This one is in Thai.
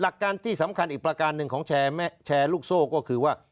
หลักการที่สำคัญอีกประการหนึ่งของแชร์ลูกโซ่ก็คือว่า